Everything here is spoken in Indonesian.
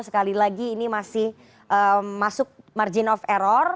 sekali lagi ini masih masuk margin of error